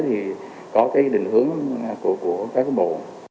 thì có cái định hướng của các bộ